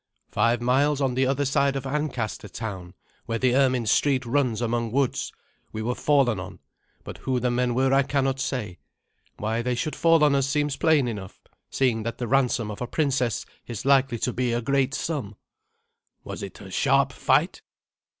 "Five miles on the other side of Ancaster town, where the Ermin Street runs among woods, we were fallen on, but who the men were I cannot say. Why they should fall on us seems plain enough, seeing that the ransom of a princess is likely to be a great sum." "Was it a sharp fight?"